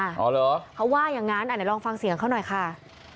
อ๋อหรือเขาว่ายังงั้นอ่านายลองฟังเสียงเขาหน่อยค่ะ